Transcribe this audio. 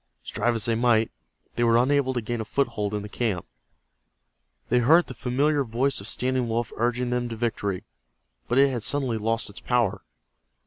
Strive as they might, they were unable to gain a foothold in the camp. They heard the familiar voice of Standing Wolf urging them to victory, but it had suddenly lost its power.